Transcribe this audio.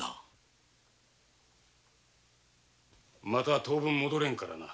また当分帰れんからな。